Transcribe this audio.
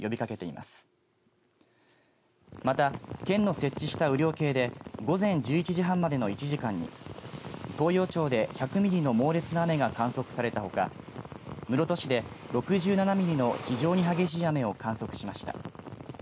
また県の設置した雨量計で午前１１時半までの１時間に東洋町で１００ミリの猛烈な雨が観測されたほか室戸市で６７ミリの非常に激しい雨を観測しました。